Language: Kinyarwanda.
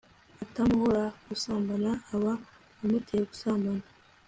atamuhora gusambana, aba amuteye gusambana